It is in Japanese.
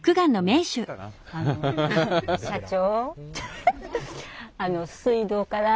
あの社長。